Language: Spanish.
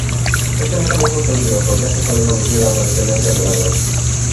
Este mecanismo es peligroso, ya que puede conducir a una dependencia de la droga.